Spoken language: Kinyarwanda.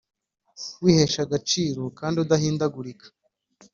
wihesha agaciro kandi udahindagurika